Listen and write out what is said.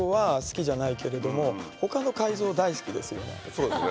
そうですね。